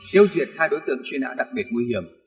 tiêu diệt hai đối tượng chuyên hãng đặc biệt nguy hiểm